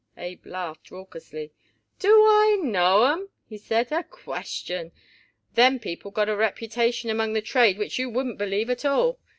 Abe laughed raucously. "Do I know 'em?" he said. "A question! Them people got a reputation among the trade which you wouldn't believe at all.